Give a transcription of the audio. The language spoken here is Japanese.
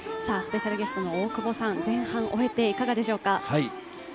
スペシャルゲストの大久保さん前半を終えて、いかがでしょうか。